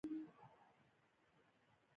موږ ادعا کوو چې دغه پالیسي نوې ده.